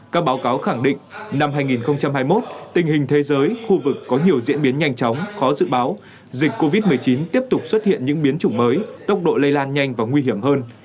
các báo cáo khẳng định năm hai nghìn hai mươi một tình hình thế giới khu vực có nhiều diễn biến nhanh chóng khó dự báo dịch covid một mươi chín tiếp tục xuất hiện những biến chủng mới tốc độ lây lan nhanh và nguy hiểm hơn